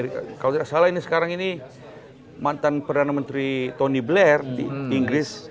kalau tidak salah ini sekarang ini mantan perdana menteri tony blair di inggris